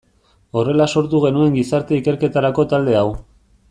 Horrela sortu genuen gizarte ikerketarako talde hau.